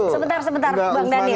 sebentar sebentar bang dhani